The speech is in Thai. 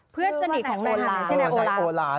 เพื่อนสนิทของนายฮันต์ใช่ไหมโอลาฟ